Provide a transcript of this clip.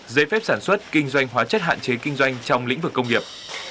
giấy phép sản xuất kinh doanh hóa chất hạn chế kinh doanh trong lĩnh vực công nghiệp